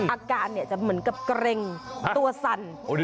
อาการจะเหมือนกับเกร็งตัวสั่น